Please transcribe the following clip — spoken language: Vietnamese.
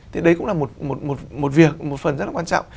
thì đấy cũng là một việc một phần rất là quan trọng